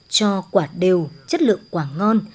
cho quả đều chất lượng quả ngon